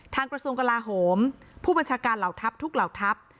กระทรวงกลาโหมผู้บัญชาการเหล่าทัพทุกเหล่าทัพ